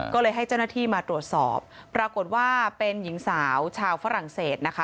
ก็เลยให้เจ้าหน้าที่มาตรวจสอบปรากฏว่าเป็นหญิงสาวชาวฝรั่งเศสนะคะ